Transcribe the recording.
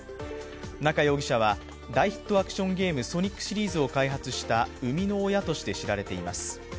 中容疑者は大ヒットアクションゲーム「ソニック」シリーズを開発した生みの親として知られています。